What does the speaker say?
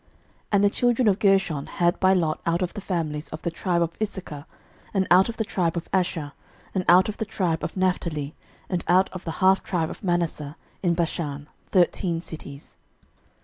06:021:006 And the children of Gershon had by lot out of the families of the tribe of Issachar, and out of the tribe of Asher, and out of the tribe of Naphtali, and out of the half tribe of Manasseh in Bashan, thirteen cities.